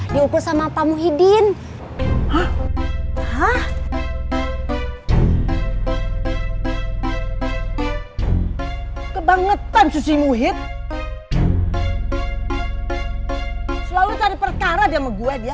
diukur sama pamuhidin kebangetan susi muhit selalu cari perkara dia meguat ya